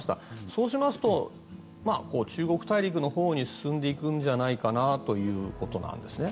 そうしますと、中国大陸のほうに進んでいくんじゃないかということなんです。